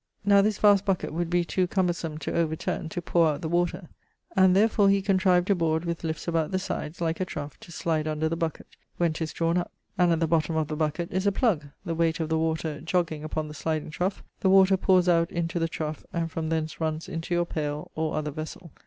Now, this vast buckett would be to combersome to overturne to power out the water; and therefore, he contrived a board with lifts about the sides, like a trough, to slide under the bucket, when 'tis drawne up; and at the bottom of the buckett is a plug, the weight of the water jogging upon the sliding trough, the water powres out into the trough, and from thence runnes into your paile, or other vessell.